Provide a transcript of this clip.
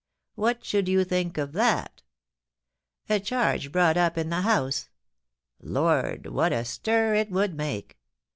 What should you think of that? A charge brought up in the House — Lord, what a stir it would make